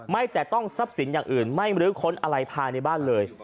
แตะต้องทรัพย์สินอย่างอื่นไม่มรื้อค้นอะไรภายในบ้านเลย